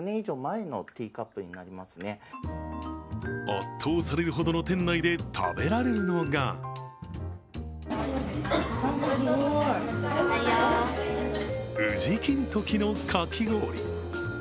圧倒されるほどの店内で食べられるのが宇治金時のかき氷。